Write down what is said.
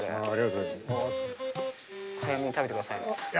早めに食べてください。